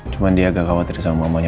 cuma dia agak khawatir sama mamanya